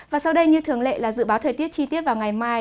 và sau đây như thường lệ là dự báo thời tiết chi tiết vào ngày mai